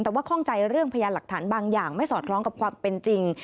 แต่ว่าข้องใจเรื่องพยานหลักฐานบางอย่างไม่สอดคล้องกับความเป็นจริง